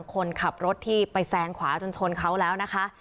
คนขับรถที่ไปแซงขวาจนชนเขาแล้วนะคะ